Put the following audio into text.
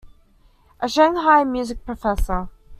A Shanghai music professor.